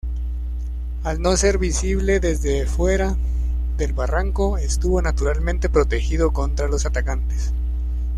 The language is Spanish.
Al no ser visible desde fuera del barranco, estuvo naturalmente protegido contra los atacantes.